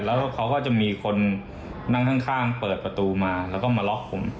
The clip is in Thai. แล้วเขาก็จะมีคนนั่งข้างเปิดประตูมาแล้วก็มาล็อกผม